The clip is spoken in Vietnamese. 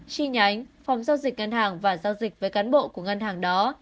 chi nhánh phòng giao dịch ngân hàng và giao dịch với cán bộ của ngân hàng đó